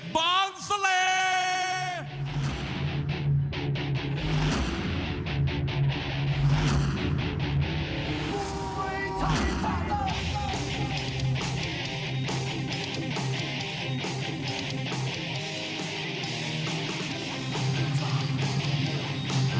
บางเศรษฐ์